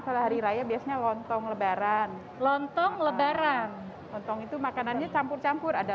kalau hari raya biasanya lontong lebaran lontong lebaran lontong itu makanannya campur campur ada